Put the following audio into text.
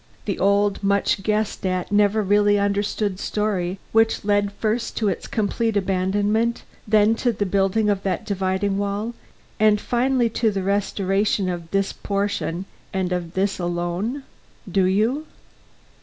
the old, much guessed at, never really understood story which led first to its complete abandonment, then to the building of that dividing wall and finally to the restoration of this portion and of this alone? Do you?"